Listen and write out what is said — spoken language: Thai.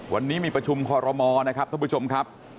วันนี้มีประชุมคอรมอนะครับท่านผู้ชมครับ